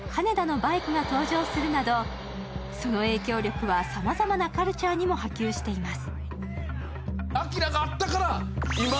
金田のバイクが登場するなど、その影響力はさまざまなカルチャーにも波及しています。